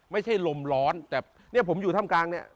ไม่ใช่ลมร้อนแต่เนี่ยผมอยู่ถ้ำกลางเนี่ย